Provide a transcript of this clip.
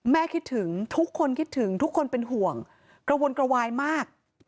คิดถึงทุกคนคิดถึงทุกคนเป็นห่วงกระวนกระวายมาก